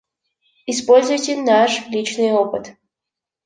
Используйте наш личный опыт.